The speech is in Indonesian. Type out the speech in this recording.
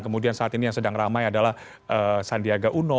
kemudian saat ini yang sedang ramai adalah sandiaga uno